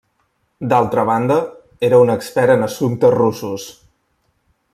D'altra banda, era un expert en assumptes russos.